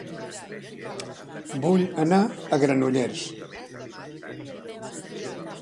Vull anar a Granollers